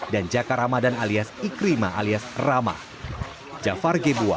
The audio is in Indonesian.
dan jakar ramadan alias ikrima alias rama